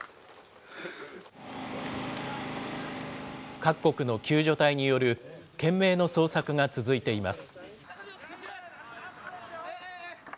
各国の救助隊による懸命の捜索が続いています。